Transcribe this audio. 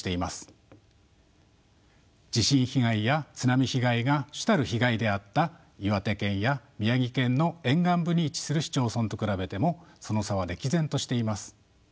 地震被害や津波被害が主たる被害であった岩手県や宮城県の沿岸部に位置する市町村と比べてもその差は歴然としています。